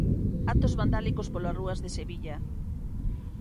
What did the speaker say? Actos vandálicos polas rúas de Sevilla.